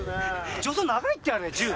助走長いってあれ１０。